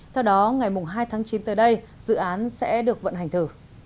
theo đó ngày hai tháng chín tới đây dự án sẽ được vận hành thử